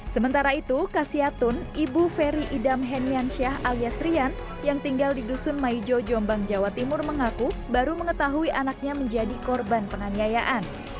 sementara itu kasiatun ibu ferry idam heniansyah alias rian yang tinggal di dusun maijo jombang jawa timur mengaku baru mengetahui anaknya menjadi korban penganiayaan